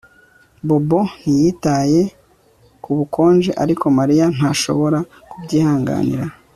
Bobo ntiyitaye ku bukonje ariko Mariya ntashobora kubyihanganira